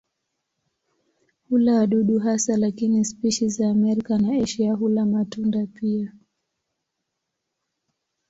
Hula wadudu hasa lakini spishi za Amerika na Asia hula matunda pia.